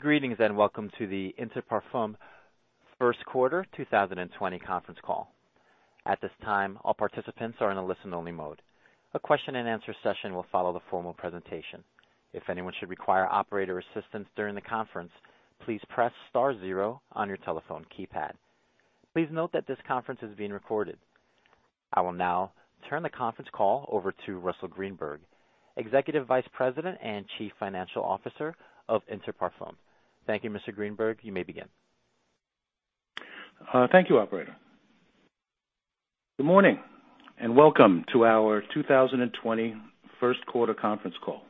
Greetings and welcome to the Inter Parfums first quarter 2020 conference call. At this time, all participants are in a listen-only mode. A question and answer session will follow the formal presentation. If anyone should require operator assistance during the conference, please press star zero on your telephone keypad. Please note that this conference is being recorded. I will now turn the conference call over to Russell Greenberg, Executive Vice President and Chief Financial Officer of Inter Parfums. Thank you, Mr. Greenberg. You may begin. Thank you, operator. Good morning and welcome to our 2020 first quarter conference call.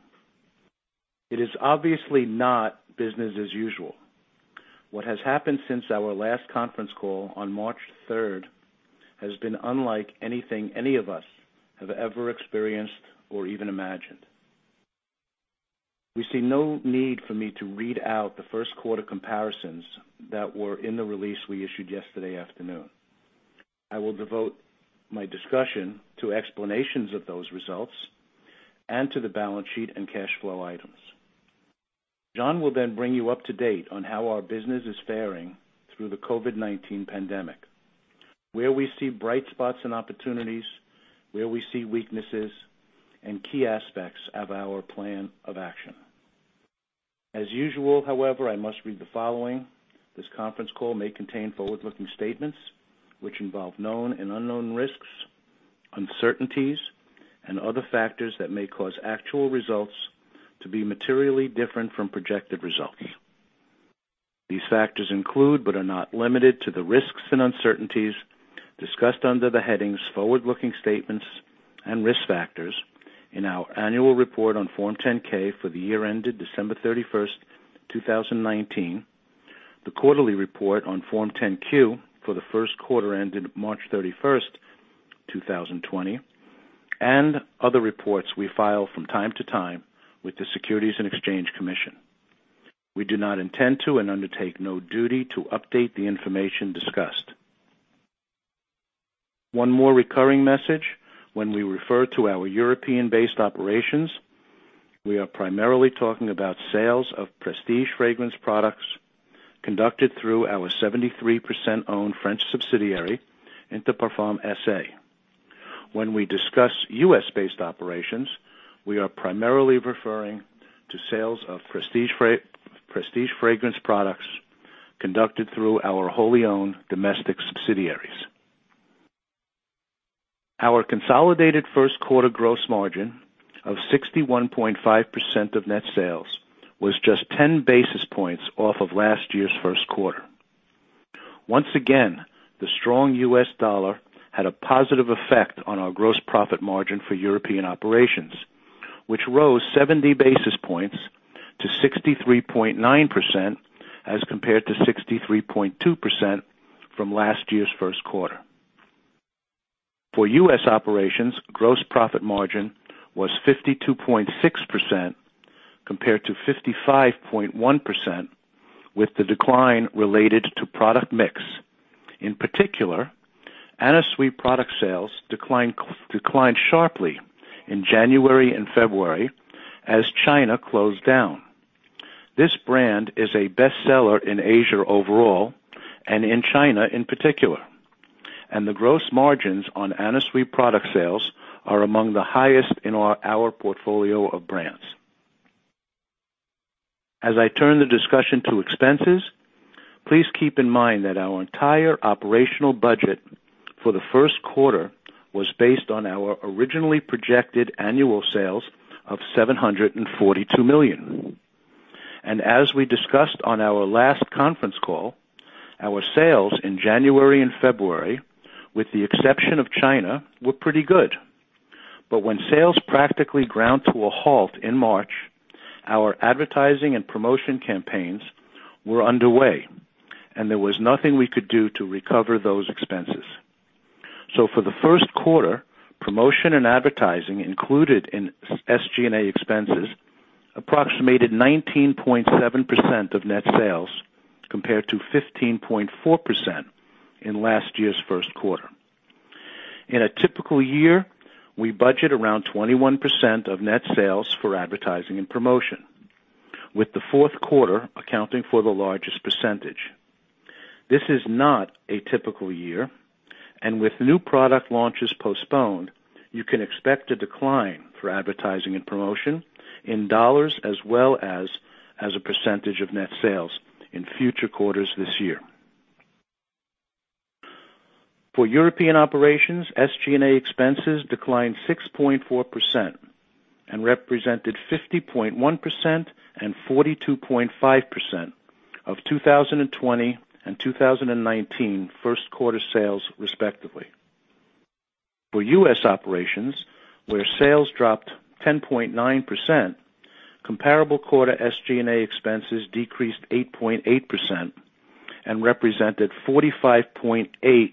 It is obviously not business as usual. What has happened since our last conference call on March 3rd has been unlike anything any of us have ever experienced or even imagined. We see no need for me to read out the first quarter comparisons that were in the release we issued yesterday afternoon. I will devote my discussion to explanations of those results and to the balance sheet and cash flow items. Jean will then bring you up to date on how our business is faring through the COVID-19 pandemic, where we see bright spots and opportunities, where we see weaknesses, and key aspects of our plan of action. As usual, however, I must read the following. This conference call may contain forward-looking statements, which involve known and unknown risks, uncertainties, and other factors that may cause actual results to be materially different from projected results. These factors include, but are not limited to, the risks and uncertainties discussed under the headings "Forward-Looking Statements" and "Risk Factors" in our annual report on Form 10-K for the year ended December 31st, 2019, the quarterly report on Form 10-Q for the first quarter ended March 31st, 2020, and other reports we file from time to time with the Securities and Exchange Commission. We do not intend to and undertake no duty to update the information discussed. One more recurring message. When we refer to our European-based operations, we are primarily talking about sales of prestige fragrance products conducted through our 73%-owned French subsidiary, Inter Parfums SA. When we discuss U.S.-based operations, we are primarily referring to sales of prestige fragrance products conducted through our wholly owned domestic subsidiaries. Our consolidated first quarter gross margin of 61.5% of net sales was just 10 basis points off of last year's first quarter. Once again, the strong U.S. dollar had a positive effect on our gross profit margin for European operations, which rose 70 basis points to 63.9% as compared to 63.2% from last year's first quarter. For U.S. operations, gross profit margin was 52.6% compared to 55.1% with the decline related to product mix. In particular, Anna Sui product sales declined sharply in January and February as China closed down. This brand is a bestseller in Asia overall and in China in particular, and the gross margins on Anna Sui product sales are among the highest in our portfolio of brands. As I turn the discussion to expenses, please keep in mind that our entire operational budget for the first quarter was based on our originally projected annual sales of $742 million. As we discussed on our last conference call, our sales in January and February, with the exception of China, were pretty good. When sales practically ground to a halt in March, our advertising and promotion campaigns were underway, and there was nothing we could do to recover those expenses. For the first quarter, promotion and advertising included in SG&A expenses approximated 19.7% of net sales, compared to 15.4% in last year's first quarter. In a typical year, we budget around 21% of net sales for advertising and promotion, with the fourth quarter accounting for the largest percentage. This is not a typical year, with new product launches postponed, you can expect a decline for advertising and promotion in dollars as well as a percentage of net sales in future quarters this year. For European operations, SG&A expenses declined 6.4% and represented 50.1% and 42.5% of 2020 and 2019 first quarter sales, respectively. For U.S. operations, where sales dropped 10.9%, comparable quarter SG&A expenses decreased 8.8% and represented 45.8%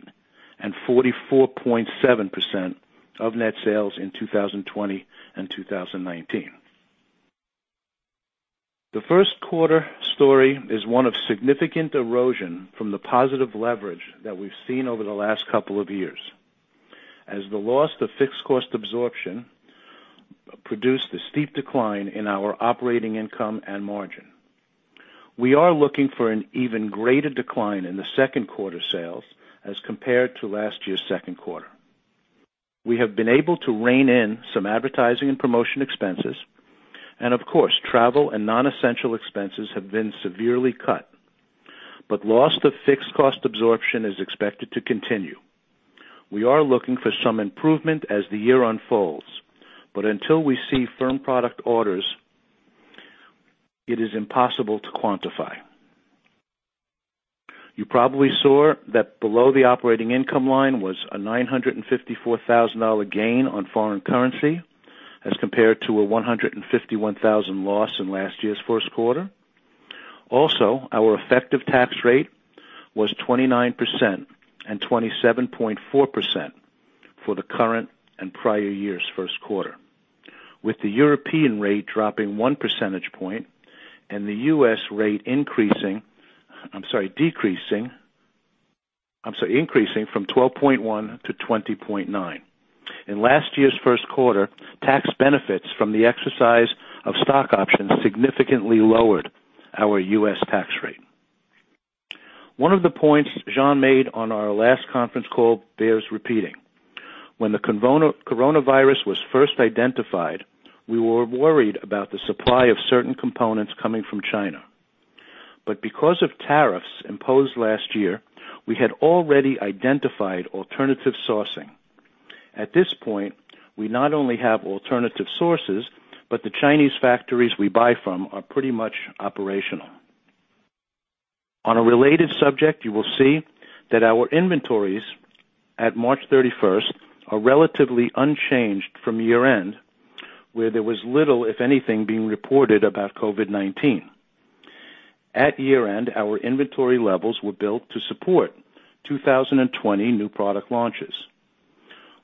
and 44.7% of net sales in 2020 and 2019. The first quarter story is one of significant erosion from the positive leverage that we've seen over the last couple of years, as the loss of fixed cost absorption produced a steep decline in our operating income and margin. We are looking for an even greater decline in the second quarter sales as compared to last year's second quarter. We have been able to rein in some advertising and promotion expenses. Of course, travel and non-essential expenses have been severely cut. Loss of fixed cost absorption is expected to continue. We are looking for some improvement as the year unfolds, but until we see firm product orders, it is impossible to quantify. You probably saw that below the operating income line was a $954,000 gain on foreign currency as compared to a $151,000 loss in last year's first quarter. Our effective tax rate was 29% and 27.4% for the current and prior year's first quarter, with the European rate dropping one percentage point and the U.S. rate increasing from 12.1 to 20.9. In last year's first quarter, tax benefits from the exercise of stock options significantly lowered our U.S. tax rate. One of the points Jean made on our last conference call bears repeating. When the coronavirus was first identified, we were worried about the supply of certain components coming from China. Because of tariffs imposed last year, we had already identified alternative sourcing. At this point, we not only have alternative sources, but the Chinese factories we buy from are pretty much operational. On a related subject, you will see that our inventories at March 31st are relatively unchanged from year-end, where there was little, if anything, being reported about COVID-19. At year-end, our inventory levels were built to support 2020 new product launches.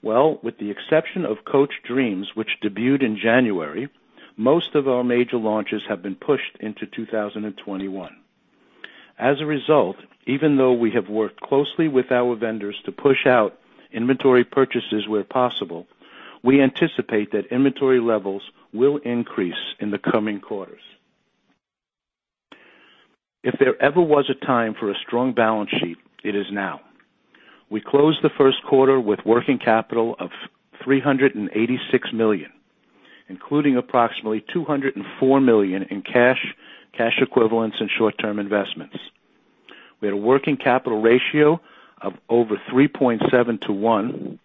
With the exception of Coach Dreams, which debuted in January, most of our major launches have been pushed into 2021. As a result, even though we have worked closely with our vendors to push out inventory purchases where possible, we anticipate that inventory levels will increase in the coming quarters. If there ever was a time for a strong balance sheet, it is now. We closed the first quarter with working capital of $386 million, including approximately $204 million in cash equivalents, and short-term investments, with a working capital ratio of over 3.7 to one,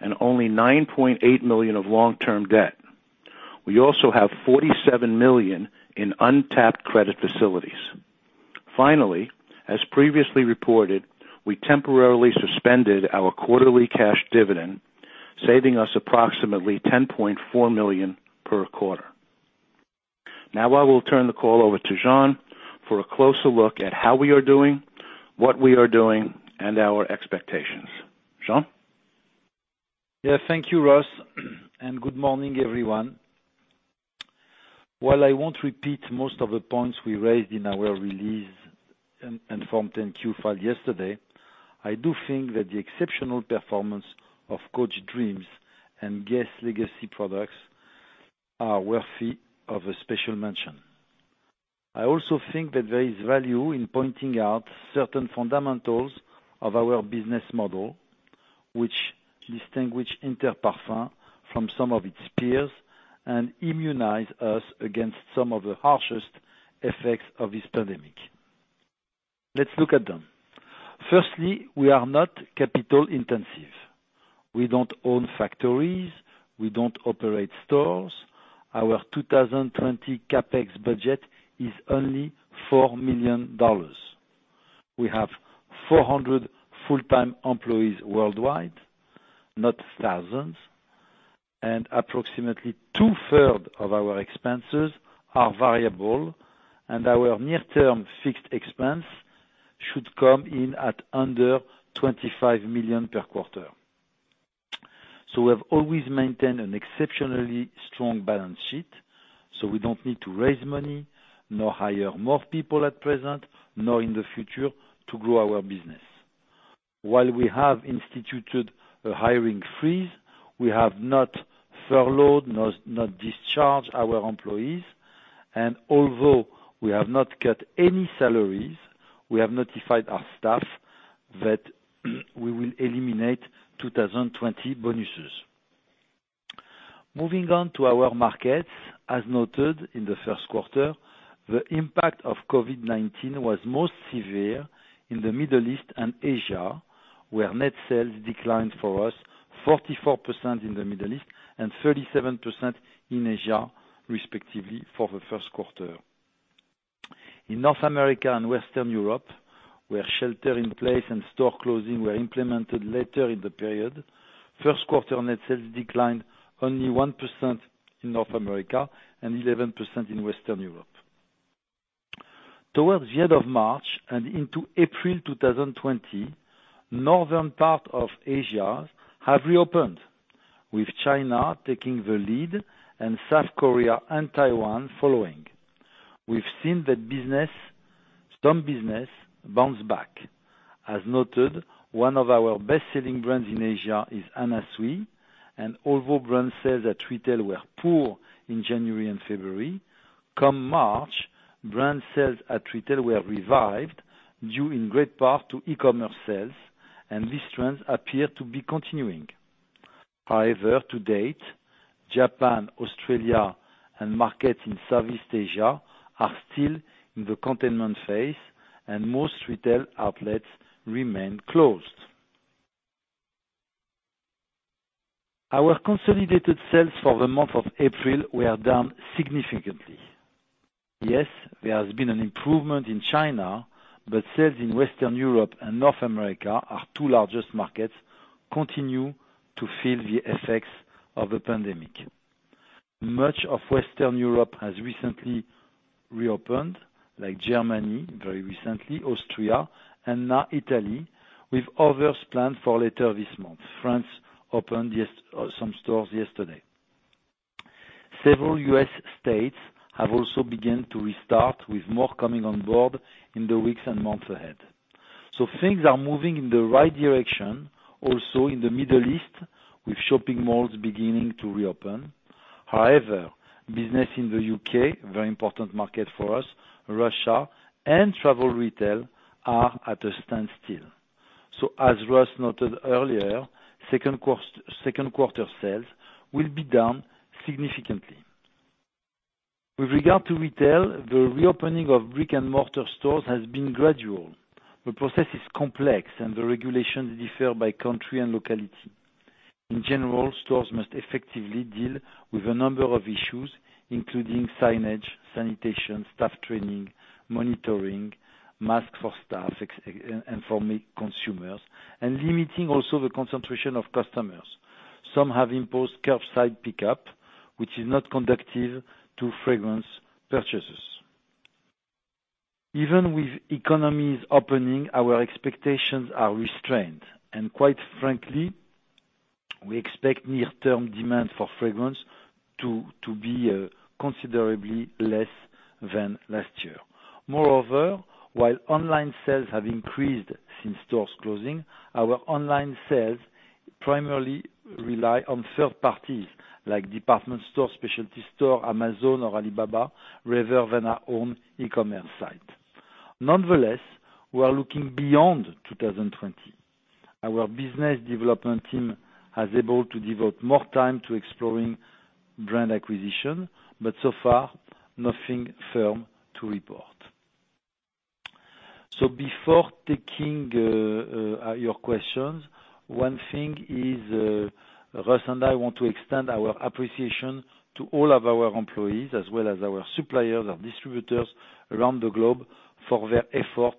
and only $9.8 million of long-term debt. We also have $47 million in untapped credit facilities. Finally, as previously reported, we temporarily suspended our quarterly cash dividend, saving us approximately $10.4 million per quarter. Now I will turn the call over to Jean for a closer look at how we are doing, what we are doing, and our expectations. Jean? Yes. Thank you, Russ, and good morning, everyone. While I won't repeat most of the points we raised in our release and Form 10-Q filed yesterday, I do think that the exceptional performance of Coach Dreams and Guess legacy products are worthy of a special mention. I also think that there is value in pointing out certain fundamentals of our business model, which distinguish Inter Parfums from some of its peers and immunize us against some of the harshest effects of this pandemic. Let's look at them. Firstly, we are not capital intensive. We don't own factories. We don't operate stores. Our 2020 CapEx budget is only $4 million. We have 400 full-time employees worldwide, not thousands, and approximately two-third of our expenses are variable, and our near-term fixed expense should come in at under $25 million per quarter. We have always maintained an exceptionally strong balance sheet, so we don't need to raise money, nor hire more people at present, nor in the future to grow our business. While we have instituted a hiring freeze, we have not furloughed, nor discharged our employees. Although we have not cut any salaries, we have notified our staff that we will eliminate 2020 bonuses. Moving on to our markets. As noted in the first quarter, the impact of COVID-19 was most severe in the Middle East and Asia, where net sales declined for us 44% in the Middle East and 37% in Asia, respectively, for the first quarter. In North America and Western Europe, where shelter in place and store closing were implemented later in the period, first quarter net sales declined only 1% in North America and 11% in Western Europe. Towards the end of March and into April 2020, northern part of Asia have reopened, with China taking the lead and South Korea and Taiwan following. We've seen some business bounce back. As noted, one of our best-selling brands in Asia is Anna Sui, and although brand sales at retail were poor in January and February, come March, brand sales at retail were revived due in great part to e-commerce sales, and this trend appear to be continuing. However, to date, Japan, Australia, and markets in Southeast Asia are still in the containment phase, and most retail outlets remain closed. Our consolidated sales for the month of April were down significantly. Yes, there has been an improvement in China, but sales in Western Europe and North America, our two largest markets, continue to feel the effects of the pandemic. Much of Western Europe has recently reopened, like Germany, very recently, Austria, and now Italy, with others planned for later this month. France opened some stores yesterday. Several U.S. states have also begun to restart, with more coming on board in the weeks and months ahead. Things are moving in the right direction, also in the Middle East, with shopping malls beginning to reopen. However, business in the U.K., very important market for us, Russia, and travel retail are at a standstill. As Russ noted earlier, second quarter sales will be down significantly. With regard to retail, the reopening of brick-and-mortar stores has been gradual. The process is complex, and the regulations differ by country and locality. In general, stores must effectively deal with a number of issues, including signage, sanitation, staff training, monitoring, masks for staff and for consumers, and limiting also the concentration of customers. Some have imposed curbside pickup, which is not conducive to fragrance purchases. Even with economies opening, our expectations are restrained, and quite frankly, we expect near-term demand for fragrance to be considerably less than last year. Moreover, while online sales have increased since stores closing, our online sales primarily rely on third parties like department stores, specialty stores, Amazon or Alibaba, rather than our own e-commerce site. Nonetheless, we are looking beyond 2020. Our business development team has able to devote more time to exploring brand acquisition, but so far, nothing firm to report. Before taking your questions, one thing is, Russ and I want to extend our appreciation to all of our employees as well as our suppliers, our distributors around the globe for their effort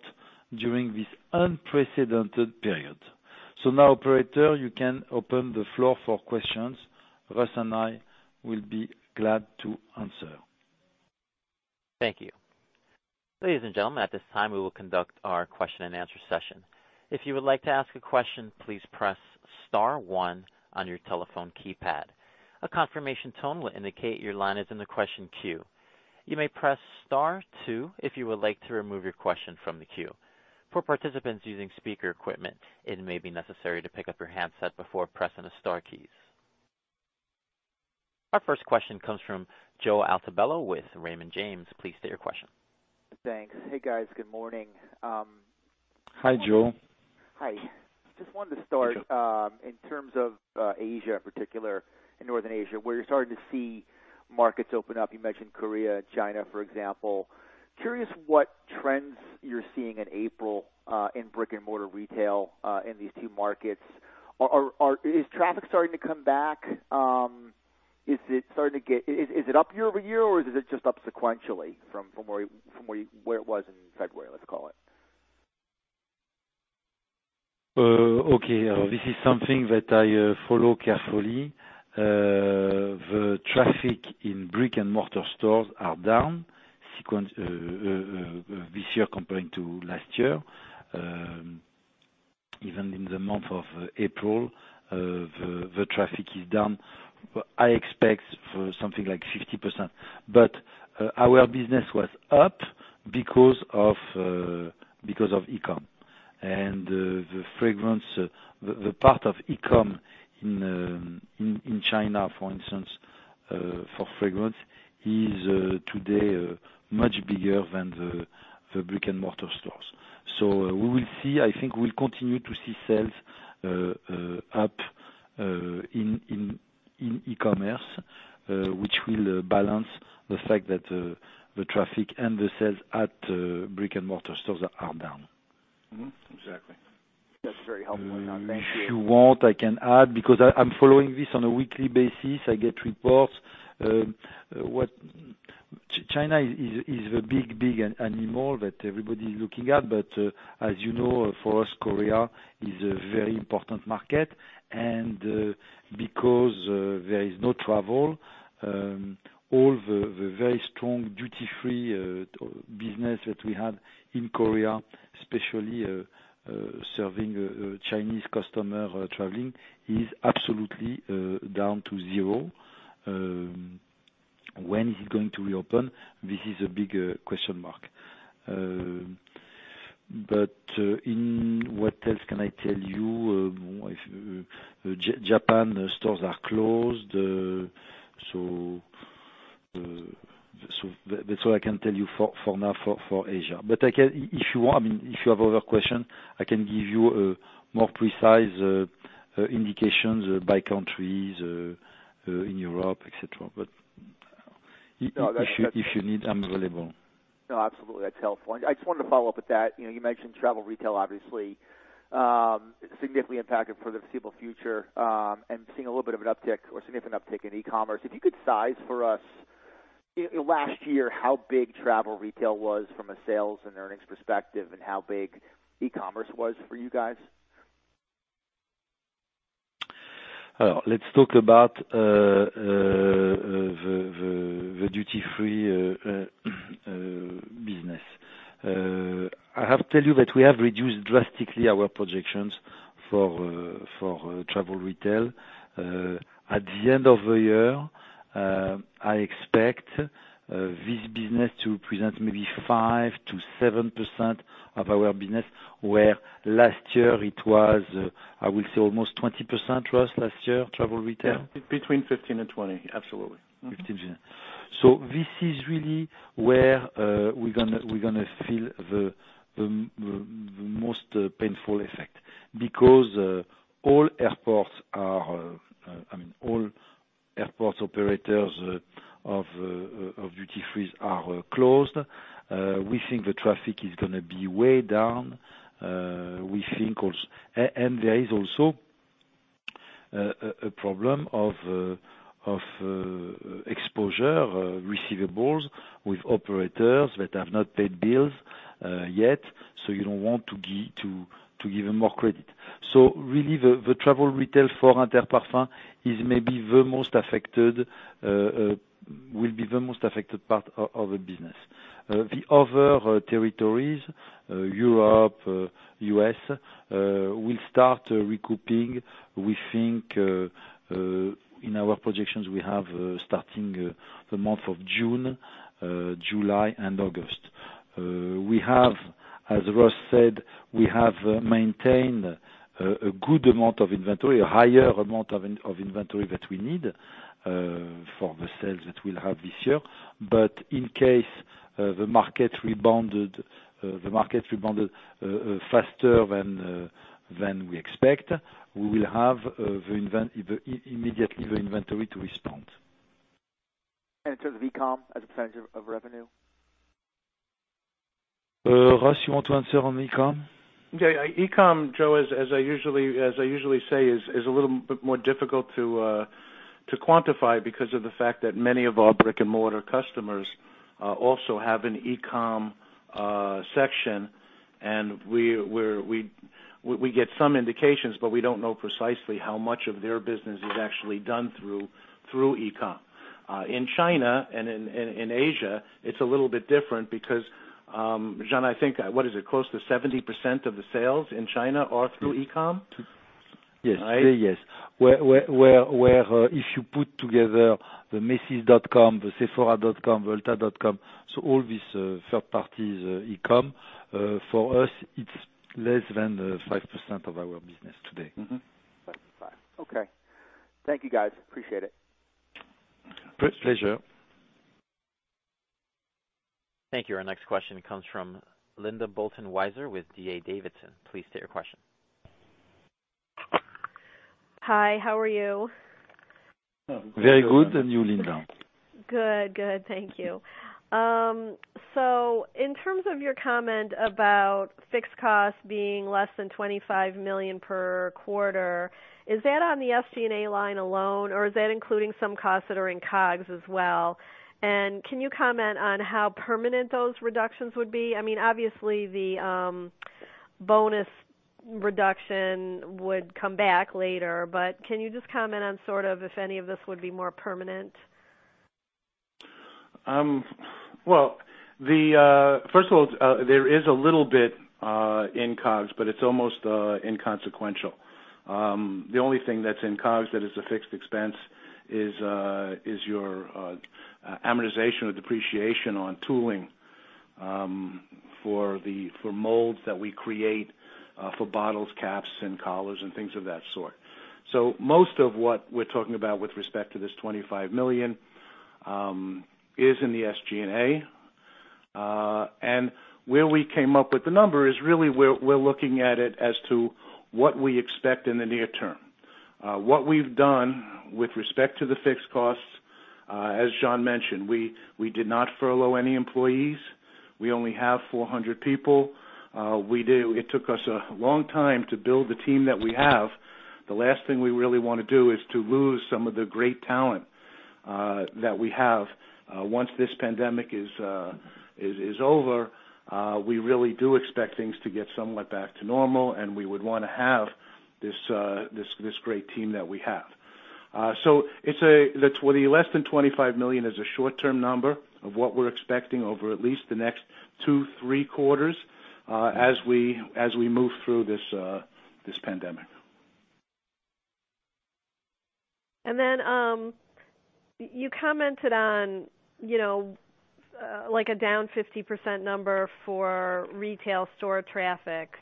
during this unprecedented period. Now, operator, you can open the floor for questions. Russ and I will be glad to answer. Thank you. Ladies and gentlemen, at this time, we will conduct our question and answer session. If you would like to ask a question, please press star one on your telephone keypad. A confirmation tone will indicate your line is in the question queue. You may press star two if you would like to remove your question from the queue. For participants using speaker equipment, it may be necessary to pick up your handset before pressing the star keys. Our first question comes from Joseph Altobello with Raymond James. Please state your question. Thanks. Hey, guys. Good morning. Hi, Joe. Hi. Just wanted to start, in terms of Asia in particular, in Northern Asia, where you're starting to see markets open up, you mentioned Korea, China, for example, curious what trends you're seeing in April, in brick-and-mortar retail, in these two markets. Is traffic starting to come back? Is it up year-over-year, or is it just up sequentially from where it was in February, let's call it? Okay. This is something that I follow carefully. The traffic in brick-and-mortar stores are down this year compared to last year. Even in the month of April, the traffic is down. I expect for something like 50%. Our business was up because of e-com, the part of e-com in China, for instance, for fragrance, is today much bigger than the brick-and-mortar stores. We will see. I think we'll continue to see sales up in e-commerce, which will balance the fact that the traffic and the sales at brick-and-mortar stores are down. Mm-hmm. Exactly. That's very helpful, Jean. Thank you. If you want, I can add, because I'm following this on a weekly basis. I get reports. China is a big animal that everybody is looking at. As you know, for us, Korea is a very important market, and because there is no travel, all the very strong duty-free business that we had in Korea, especially serving Chinese customer traveling, is absolutely down to zero. When is it going to reopen? This is a big question mark. What else can I tell you? Japan stores are closed. That's all I can tell you for now for Asia. If you have other questions, I can give you more precise indications by countries in Europe, et cetera. If you need, I'm available. No, absolutely. That's helpful. I just wanted to follow up with that. You mentioned travel retail, obviously, significantly impacted for the foreseeable future, and seeing a little bit of an uptick or significant uptick in e-commerce. If you could size for us last year how big travel retail was from a sales and earnings perspective and how big e-commerce was for you guys. Let's talk about the duty-free business. I have to tell you that we have reduced drastically our projections for travel retail. At the end of the year, I expect this business to present maybe 5%-7% of our business, where last year it was, I will say almost 20%, Russ, last year, travel retail? Between 15% and 20%, absolutely. 15%. This is really where we're going to feel the most painful effect because all airport operators of duty frees are closed. We think the traffic is going to be way down. There is also a problem of exposure, receivables with operators that have not paid bills yet, so you don't want to give more credit. Really, the travel retail for Inter Parfums will be the most affected part of the business. The other territories, Europe, U.S., will start recouping. We think, in our projections, we have starting the month of June, July, and August. As Russ said, we have maintained a good amount of inventory, a higher amount of inventory that we need for the sales that we'll have this year. In case the market rebounded faster than we expect, we will have immediately the inventory to respond. In terms of e-com as a % of revenue? Russ, you want to answer on e-com? Yeah. E-com, Joe, as I usually say, is a little bit more difficult to quantify because of the fact that many of our brick-and-mortar customers also have an e-com section. We get some indications, but we don't know precisely how much of their business is actually done through e-com. In China and in Asia, it's a little bit different because, Jean, I think, what is it? Close to 70% of the sales in China are through e-com? Yes. Right? If you put together the macy's.com, the sephora.com, ulta.com, all these third parties e-com, for us, it's less than 5% of our business today. Less than five. Okay. Thank you, guys. Appreciate it. Pleasure. Thank you. Our next question comes from Linda Bolton Weiser with D.A. Davidson. Please state your question. Hi, how are you? Very good. You, Linda? Good. Thank you. In terms of your comment about fixed costs being less than $25 million per quarter, is that on the SG&A line alone, or is that including some costs that are in COGS as well? Can you comment on how permanent those reductions would be? The bonus reduction would come back later, but can you just comment on if any of this would be more permanent? First of all, there is a little bit in COGS, but it's almost inconsequential. The only thing that's in COGS that is a fixed expense is your amortization or depreciation on tooling for molds that we create for bottles, caps, and collars, and things of that sort. Most of what we're talking about with respect to this $25 million is in the SG&A. Where we came up with the number is really we're looking at it as to what we expect in the near term. What we've done with respect to the fixed costs, as Jean mentioned, we did not furlough any employees. We only have 400 people. It took us a long time to build the team that we have. The last thing we really want to do is to lose some of the great talent that we have. Once this pandemic is over, we really do expect things to get somewhat back to normal, and we would want to have this great team that we have. The less than $25 million is a short-term number of what we're expecting over at least the next two, three quarters as we move through this pandemic. You commented on a down 50% number for retail store traffic.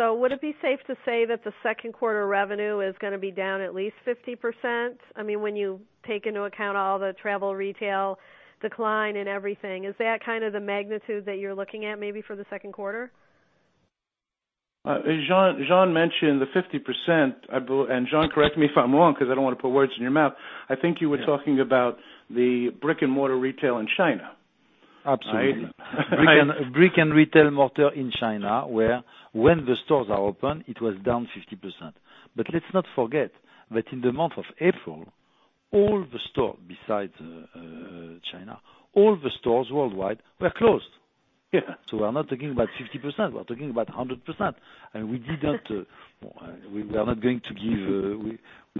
Would it be safe to say that the second quarter revenue is going to be down at least 50%? When you take into account all the travel retail decline and everything, is that kind of the magnitude that you're looking at maybe for the second quarter? Jean mentioned the 50%, and Jean, correct me if I'm wrong, because I don't want to put words in your mouth. I think you were talking about the brick-and-mortar retail in China. Absolutely. Right? Brick-and-mortar retail in China, where when the stores are open, it was down 50%. Let's not forget that in the month of April, all the stores besides China, all the stores worldwide were closed. Yeah. We're not talking about 50%, we're talking about 100%. We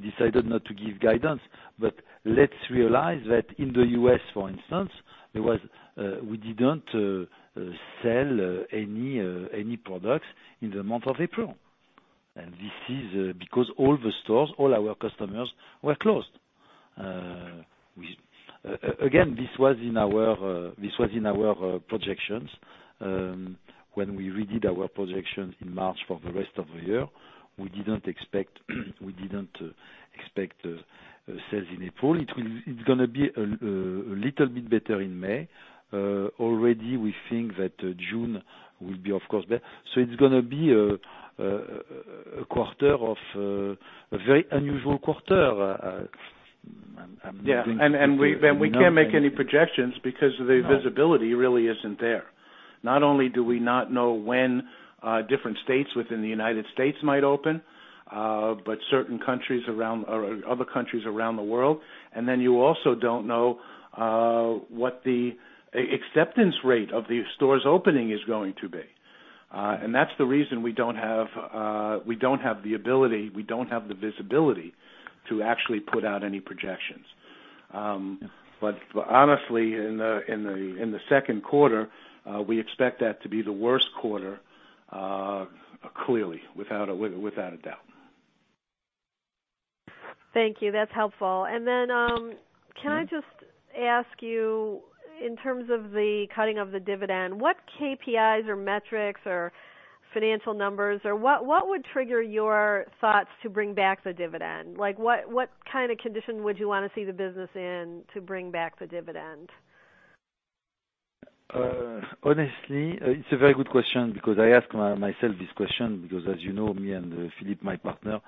decided not to give guidance. Let's realize that in the U.S., for instance, we didn't sell any products in the month of April. This is because all the stores, all our customers were closed. Again, this was in our projections. When we redid our projections in March for the rest of the year, we didn't expect sales in April. It's going to be a little bit better in May. Already, we think that June will be, of course, better. It's going to be a very unusual quarter. Yeah, we can't make any projections. No The visibility really isn't there. Not only do we not know when different states within the U.S. might open, but certain other countries around the world. You also don't know what the acceptance rate of these stores opening is going to be. That's the reason we don't have the ability, we don't have the visibility to actually put out any projections. Honestly, in the second quarter, we expect that to be the worst quarter, clearly, without a doubt. Thank you. That's helpful. Can I just ask you, in terms of the cutting of the dividend, what KPIs or metrics or financial numbers, or what would trigger your thoughts to bring back the dividend? What kind of condition would you want to see the business in to bring back the dividend? Honestly, it's a very good question, because I ask myself this question because as you know, me and Philippe, my partner,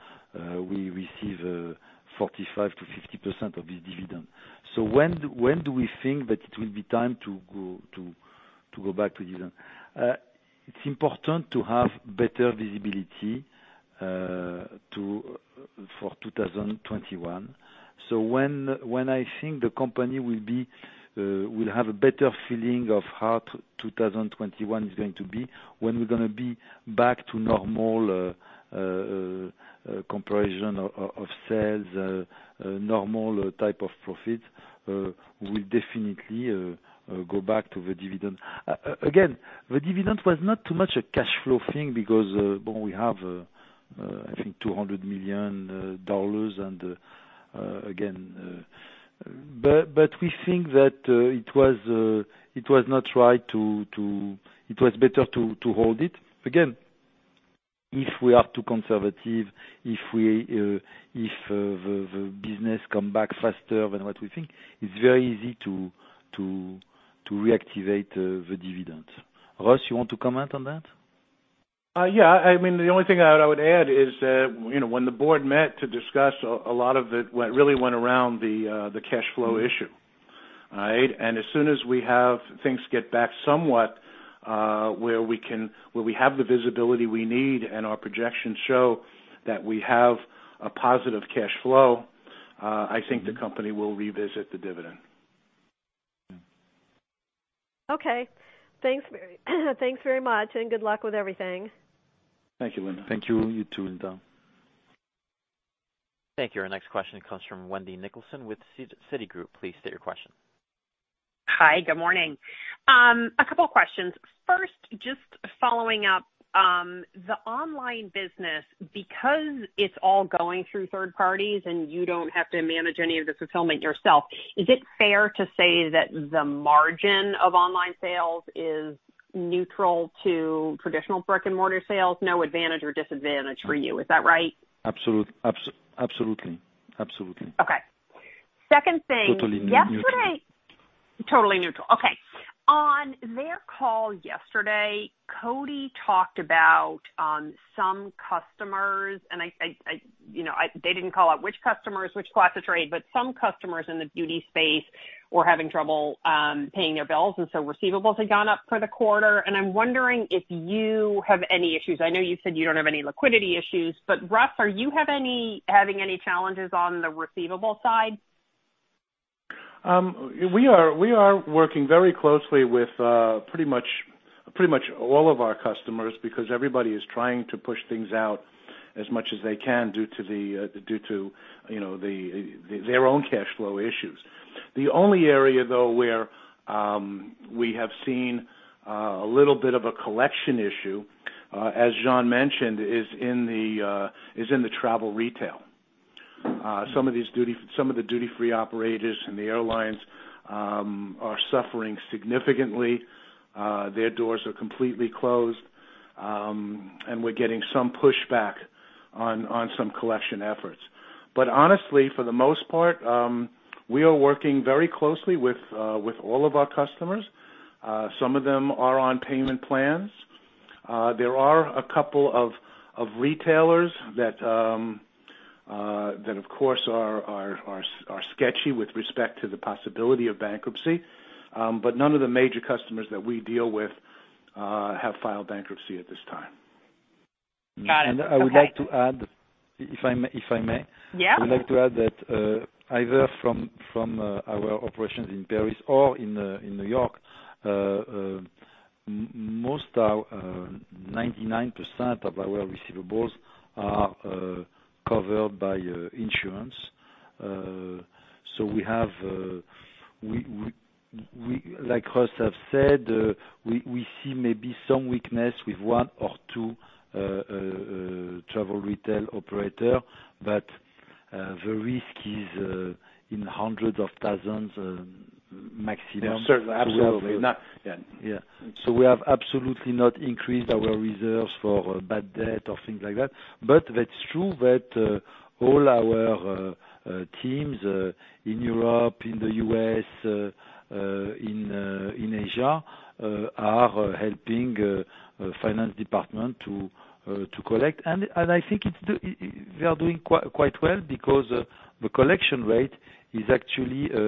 we receive 45%-50% of the dividend. When do we think that it will be time to go back to dividend? It's important to have better visibility for 2021. When I think the company will have a better feeling of how 2021 is going to be, when we're going to be back to normal comparison of sales, normal type of profit, we'll definitely go back to the dividend. Again, the dividend was not too much a cash flow thing because we have, I think, $200 million. We think that it was better to hold it. Again, if we are too conservative, if the business come back faster than what we think, it's very easy to reactivate the dividend. Russ, you want to comment on that? Yeah. The only thing I would add is that when the board met to discuss, a lot of it really went around the cash flow issue. Right? As soon as we have things get back somewhat where we have the visibility we need and our projections show that we have a positive cash flow, I think the company will revisit the dividend. Okay. Thanks very much, and good luck with everything. Thank you, Linda. Thank you. You too, Linda. Thank you. Our next question comes from Wendy Nicholson with Citigroup. Please state your question. Hi. Good morning. A couple questions. First, just following up. The online business, because it's all going through third parties and you don't have to manage any of the fulfillment yourself, is it fair to say that the margin of online sales is neutral to traditional brick-and-mortar sales? No advantage or disadvantage for you, is that right? Absolutely. Okay. Second thing. Totally neutral. Yesterday. Totally neutral. Okay. On their call yesterday, Coty talked about some customers, and they didn't call out which customers, which class of trade, but some customers in the beauty space are having trouble paying their bills, and so receivables have gone up for the quarter. I'm wondering if you have any issues. I know you said you don't have any liquidity issues, Russ, are you having any challenges on the receivable side? We are working very closely with pretty much all of our customers because everybody is trying to push things out as much as they can due to their own cash flow issues. The only area though where we have seen a little bit of a collection issue, as Jean mentioned, is in the travel retail. Some of the duty-free operators and the airlines are suffering significantly. Their doors are completely closed. We're getting some pushback on some collection efforts. Honestly, for the most part, we are working very closely with all of our customers. Some of them are on payment plans. There are a couple of retailers that, of course, are sketchy with respect to the possibility of bankruptcy. None of the major customers that we deal with have filed bankruptcy at this time. Got it. Okay. I would like to add, if I may. Yeah. I would like to add that either from our operations in Paris or in New York, most, 99% of our receivables are covered by insurance. Like Russ has said, we see maybe some weakness with one or two travel retail operator, but the risk is in hundreds of thousands maximum. Yeah, absolutely. We have absolutely not increased our reserves for bad debt or things like that. That's true that all our teams in Europe, in the U.S., in Asia, are helping finance department to collect. I think they are doing quite well because the collection rate is actually a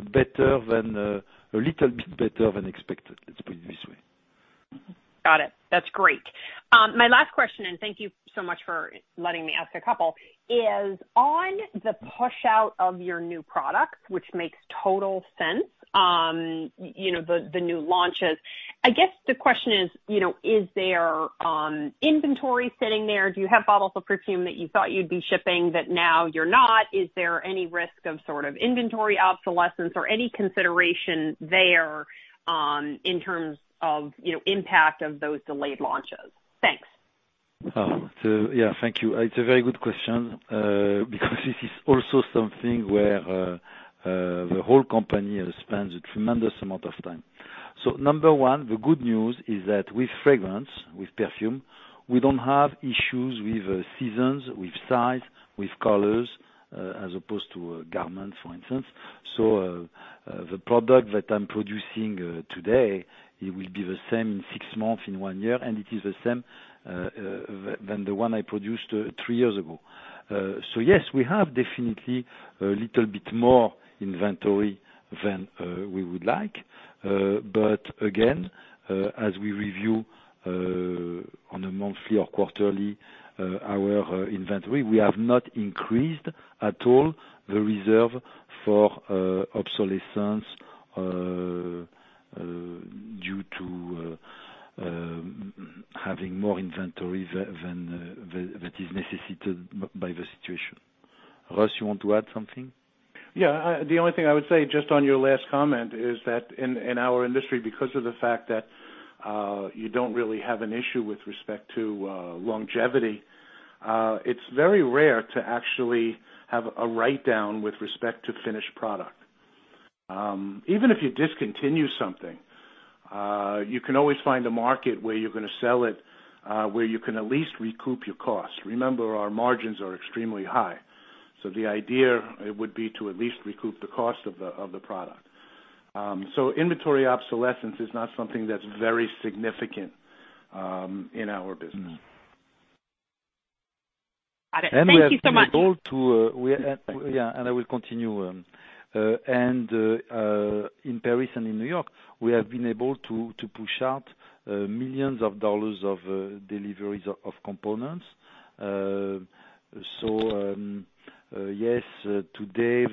little bit better than expected. Let's put it this way. Got it. That's great. My last question, Thank you so much for letting me ask a couple, is on the push out of your new products, which makes total sense, the new launches. I guess the question is there inventory sitting there? Do you have bottles of perfume that you thought you'd be shipping that now you're not? Is there any risk of sort of inventory obsolescence or any consideration there in terms of impact of those delayed launches? Thanks. Yeah. Thank you. It's a very good question, because this is also something where the whole company spends a tremendous amount of time. Number 1, the good news is that with fragrance, with perfume, we don't have issues with seasons, with size, with colors, as opposed to garments, for instance. The product that I'm producing today, it will be the same in six months, in one year, and it is the same than the one I produced three years ago. Yes, we have definitely a little bit more inventory than we would like. Again, as we review on a monthly or quarterly our inventory, we have not increased at all the reserve for obsolescence due to having more inventory than that is necessitated by the situation. Russ, you want to add something? Yeah. The only thing I would say, just on your last comment, is that in our industry, because of the fact that you don't really have an issue with respect to longevity, it's very rare to actually have a write-down with respect to finished product. Even if you discontinue something, you can always find a market where you're going to sell it where you can at least recoup your cost. Remember, our margins are extremely high. The idea would be to at least recoup the cost of the product. Inventory obsolescence is not something that's very significant in our business. Got it. Thank you so much. Yeah, I will continue. In Paris and in New York, we have been able to push out millions of dollars of deliveries of components. Yes, today,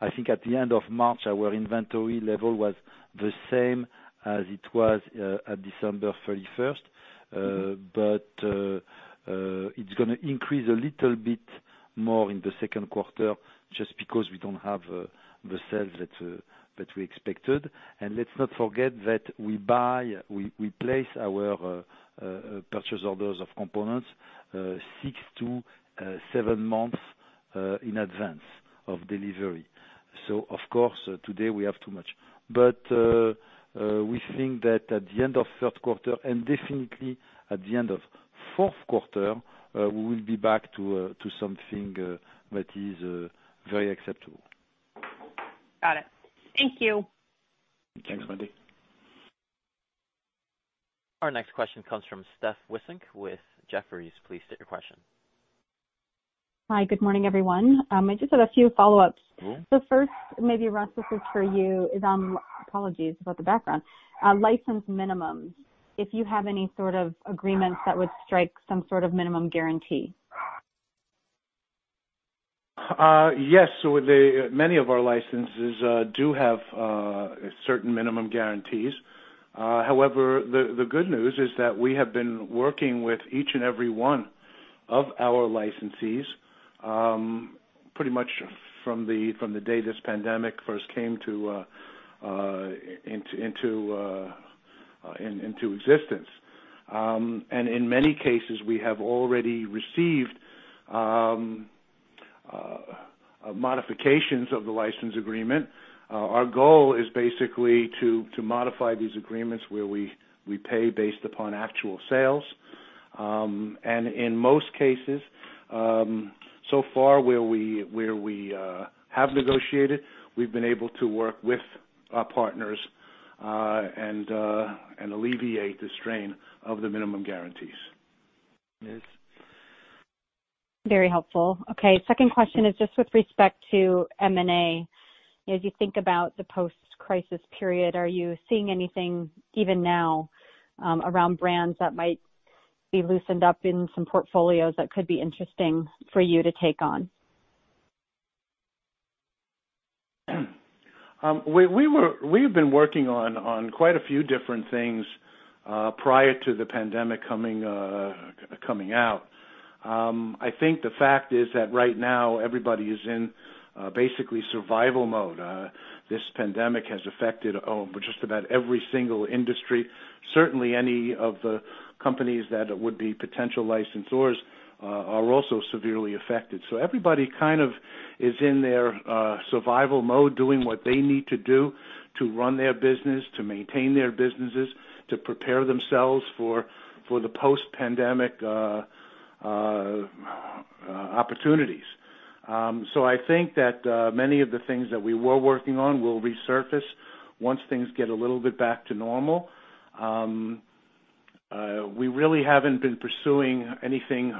I think at the end of March, our inventory level was the same as it was at December 31st. It's going to increase a little bit more in the second quarter just because we don't have the sales that we expected. Let's not forget that we place our purchase orders of components six to seven months in advance of delivery. Of course, today we have too much. We think that at the end of third quarter, and definitely at the end of fourth quarter, we will be back to something that is very acceptable. Got it. Thank you. Thanks, Wendy. Our next question comes from Steph Wissink with Jefferies. Please state your question. Hi. Good morning, everyone. I just have a few follow-ups. The first, maybe, Russ, this is for you, is on, apologies about the background, license minimums, if you have any sort of agreements that would strike some sort of minimum guarantee. Yes. Many of our licenses do have certain minimum guarantees. However, the good news is that we have been working with each and every one of our licensees, pretty much from the day this pandemic first came into existence. In many cases, we have already received modifications of the license agreement. Our goal is basically to modify these agreements where we pay based upon actual sales. In most cases, so far where we have negotiated, we've been able to work with our partners, and alleviate the strain of the minimum guarantees. Very helpful. Okay. Second question is just with respect to M&A. As you think about the post-crisis period, are you seeing anything even now, around brands that might be loosened up in some portfolios that could be interesting for you to take on? We've been working on quite a few different things prior to the pandemic coming out. I think the fact is that right now everybody is in basically survival mode. This pandemic has affected just about every single industry. Certainly, any of the companies that would be potential licensors are also severely affected. Everybody kind of is in their survival mode, doing what they need to do to run their business, to maintain their businesses, to prepare themselves for the post-pandemic opportunities. I think that many of the things that we were working on will resurface once things get a little bit back to normal. We really haven't been pursuing anything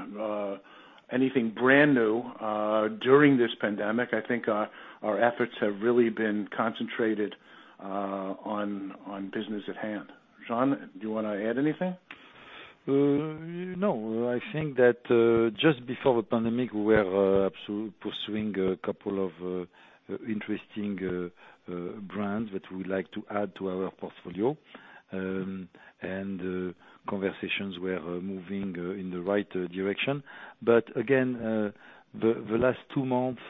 brand new during this pandemic. I think our efforts have really been concentrated on business at hand. Jean, do you want to add anything? No. I think that just before the pandemic, we were pursuing a couple of interesting brands that we would like to add to our portfolio. Conversations were moving in the right direction. Again, the last two months,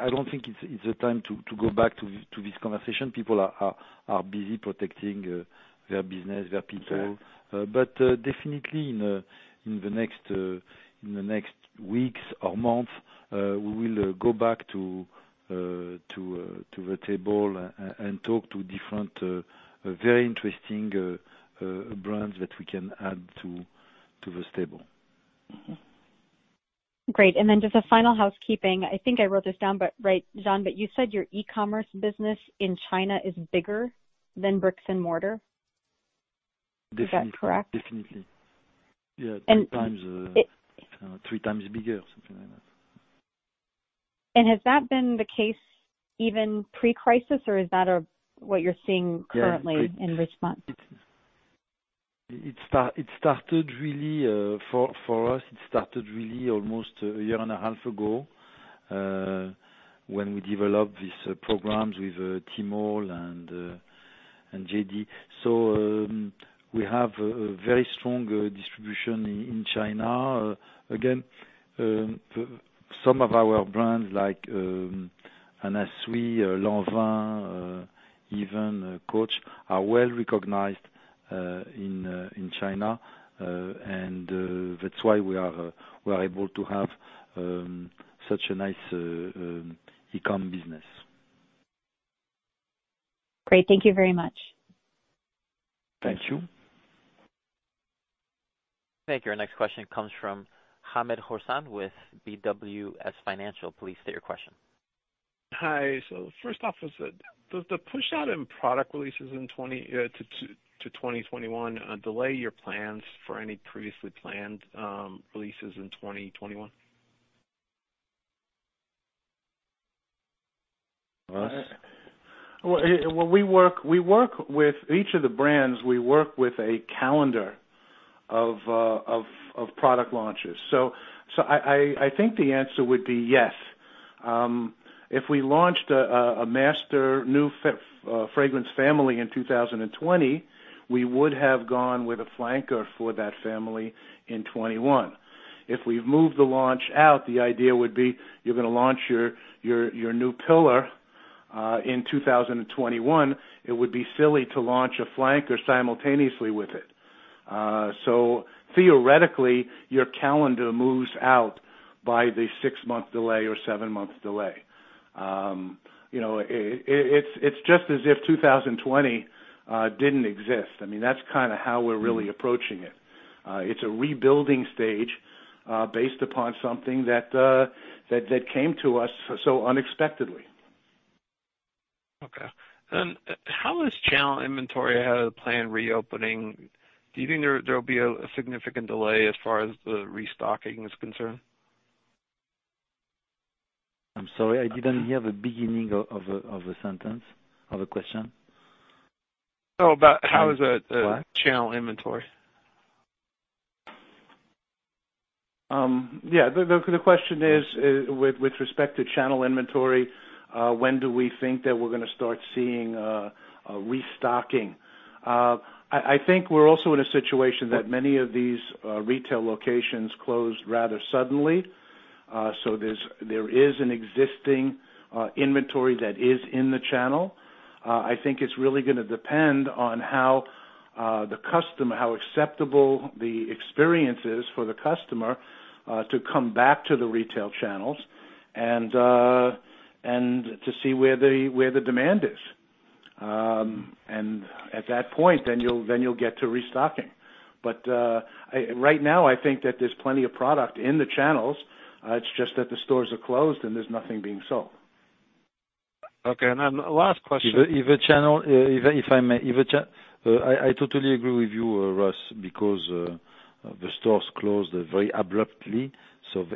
I don't think it's the time to go back to this conversation. People are busy protecting their business, their people. Yeah. Definitely, in the next weeks or months, we will go back to the table and talk to different very interesting brands that we can add to the stable. Mm-hmm. Great. Just a final housekeeping. I think I wrote this down, but, right, Jean, but you said your e-commerce business in China is bigger than bricks and mortar. Definitely. Is that correct? Definitely. Yeah. And- Three times bigger, something like that. Has that been the case even pre-crisis, or is that what you're seeing currently. Yeah In this month? It started really, for us, it started really almost a year and a half ago, when we developed these programs with Tmall and JD.com. We have a very strong distribution in China. Again, some of our brands like Anna Sui, Lanvin, even Coach, are well-recognized in China. That's why we are able to have such a nice e-com business. Great. Thank you very much. Thank you. Thank you. Our next question comes from Hamed Khorsand with BWS Financial. Please state your question. Hi. First off, does the push-out in product releases to 2021 delay your plans for any previously planned releases in 2021? Russ? We work with each of the brands. We work with a calendar of product launches. I think the answer would be yes. If we launched a master new fragrance family in 2020, we would have gone with a flanker for that family in 2021. If we've moved the launch out, the idea would be you're going to launch your new pillar in 2021. It would be silly to launch a flanker simultaneously with it. Theoretically, your calendar moves out by the six-month delay or seven-month delay. It's just as if 2020 didn't exist. That's kind of how we're really approaching it. It's a rebuilding stage based upon something that came to us so unexpectedly. Okay. How is channel inventory ahead of the planned reopening? Do you think there will be a significant delay as far as the restocking is concerned? I'm sorry, I didn't hear the beginning of the sentence, of the question. About how is the- What? channel inventory? Yeah. The question is, with respect to channel inventory, when do we think that we're going to start seeing restocking? I think we're also in a situation that many of these retail locations closed rather suddenly. There is an existing inventory that is in the channel. I think it's really going to depend on how acceptable the experience is for the customer to come back to the retail channels, and to see where the demand is. At that point, then you'll get to restocking. Right now, I think that there's plenty of product in the channels. It's just that the stores are closed, and there's nothing being sold. Okay. Then last question- If I may. I totally agree with you, Russ, because the stores closed very abruptly,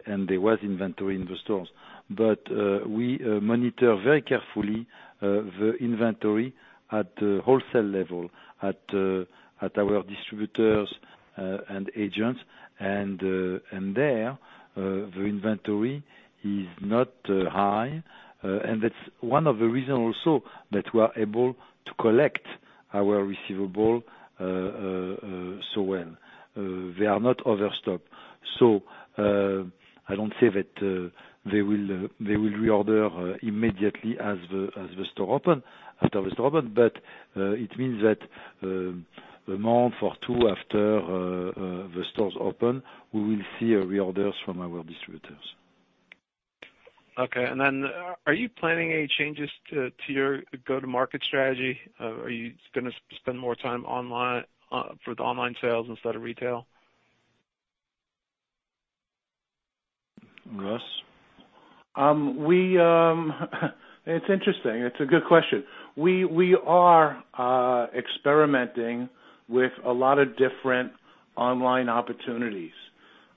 and there was inventory in the stores. We monitor very carefully the inventory at the wholesale level, at our distributors and agents. There, the inventory is not high. That's one of the reasons also that we are able to collect our receivable so well. They are not overstocked. I don't say that they will reorder immediately after the store open, but it means that a month or two after the stores open, we will see reorders from our distributors. Okay. Are you planning any changes to your go-to-market strategy? Are you going to spend more time for the online sales instead of retail? Russ? It's interesting. It's a good question. We are experimenting with a lot of different online opportunities.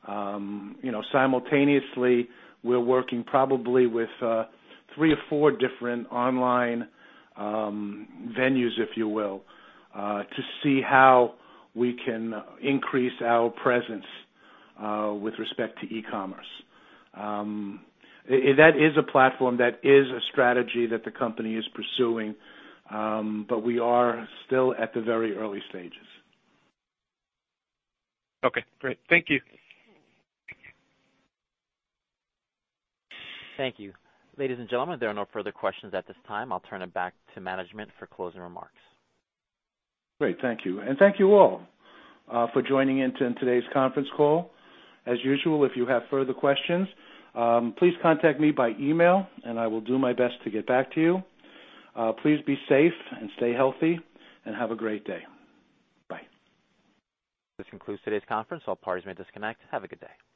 Simultaneously, we're working probably with three or four different online venues, if you will, to see how we can increase our presence with respect to e-commerce. That is a platform, that is a strategy that the company is pursuing, we are still at the very early stages. Okay, great. Thank you. Thank you. Ladies and gentlemen, there are no further questions at this time. I'll turn it back to management for closing remarks. Great. Thank you. Thank you all for joining in today's conference call. As usual, if you have further questions, please contact me by email and I will do my best to get back to you. Please be safe and stay healthy, and have a great day. Bye. This concludes today's conference. All parties may disconnect. Have a good day.